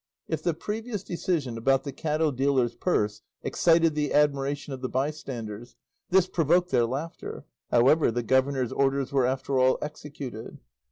If the previous decision about the cattle dealer's purse excited the admiration of the bystanders, this provoked their laughter; however, the governor's orders were after all executed.